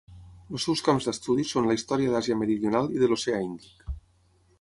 Els seus camps d'estudi són la història d'Àsia meridional i de l'Oceà Índic.